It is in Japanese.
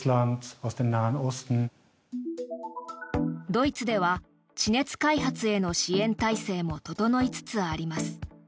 ドイツでは地熱開発への支援体制も整いつつあります。